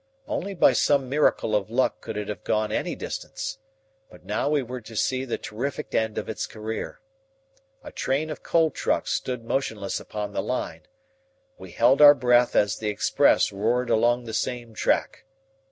Only by some miracle of luck could it have gone any distance. But now we were to see the terrific end of its career. A train of coal trucks stood motionless upon the line. We held our breath as the express roared along the same track.